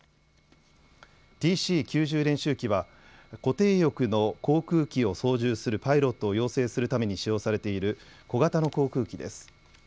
ＴＣ９０練習機は固定翼の航空機を操縦するパイロットを養成するために使用されている小型の航空機です。